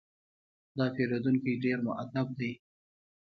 دا پیرودونکی ډېر مؤدب دی.